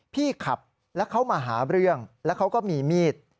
พี่ขับแล้วเขามาหาเรื่องแล้วเขาก็มีมีด